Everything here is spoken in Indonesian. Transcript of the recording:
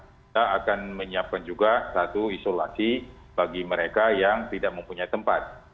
kita akan menyiapkan juga satu isolasi bagi mereka yang tidak mempunyai tempat